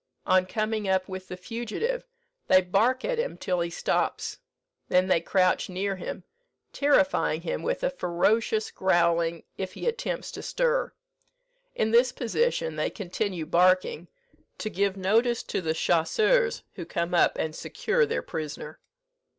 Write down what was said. On coming up with the fugitive, they bark at him till he stops; they then crouch near him, terrifying him with a ferocious growling if he attempts to stir. In this position they continue barking, to give notice to the chasseurs, who come up and secure their prisoner.